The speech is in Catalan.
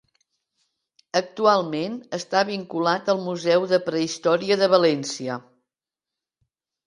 Actualment està vinculat al Museu de Prehistòria de València.